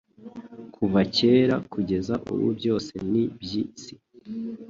kuva kera kugeza ubu byose ni byi si